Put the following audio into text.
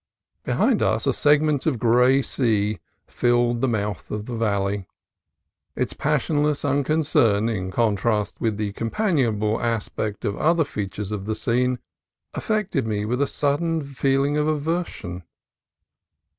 Behind us a segment of gray sea filled the mouth of the valley. Its pas sionless unconcern, in contrast with the companion able aspect of the other features of the scene, af fected me with a sudden feeling of aversion.